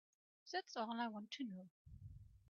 That's all I want to know.